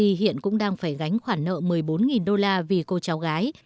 es hiện cũng đang phải gánh khoản nợ một mươi bốn đô la vì cô cháu gái